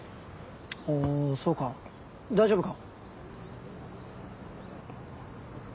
おそうか大丈夫か？